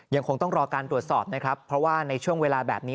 ยังคงต้องรอการตรวจสอบนะครับเพราะว่าในช่วงเวลาแบบนี้